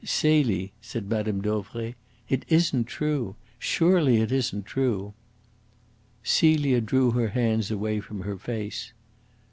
"Celie," said Mme. Dauvray, "it isn't true! Surely it isn't true?" Celia drew her hands away from her face.